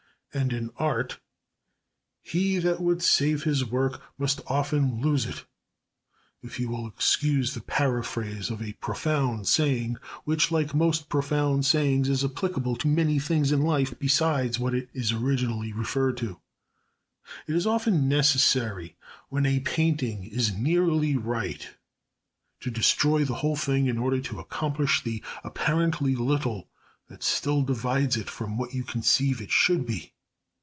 And in art, "he that would save his work must often lose it," if you will excuse the paraphrase of a profound saying which, like most profound sayings, is applicable to many things in life besides what it originally referred to. It is often necessary when a painting is #nearly# right to destroy the whole thing in order to accomplish the apparently little that still divides it from what you conceive it should be.